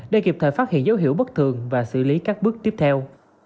để kịp thời phát hiện dấu hiệu bất thường và xử lý các bước tiếp theo